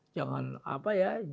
jangan apa ya